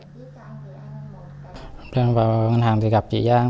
khi em vào ngân hàng gặp chị giang